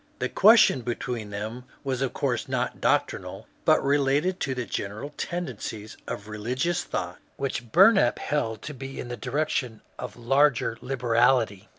The question between them was of course not doctrinal, but related to the general tendencies of religious thought, which Bumap held to be in the direction of larger liberality.